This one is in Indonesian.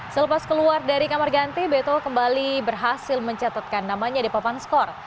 selepas keluar dari kamar ganti beto kembali berhasil mencatatkan namanya di papan skor